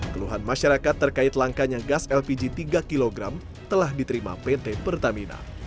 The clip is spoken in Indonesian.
keluhan masyarakat terkait langkanya gas lpg tiga kg telah diterima pt pertamina